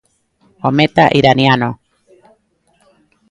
O meta iraniano.